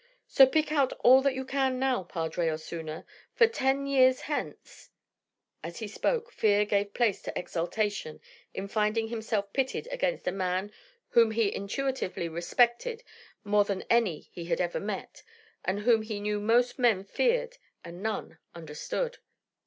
So pick out all that you can now, Padre Osuna, for ten years hence " As he spoke fear gave place to exultation in finding himself pitted against a man whom he intuitively respected more than any he had ever met, and whom he knew most men feared and none understood.